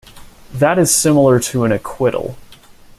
That is similar to an acquittal.